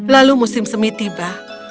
lalu musim semi tiba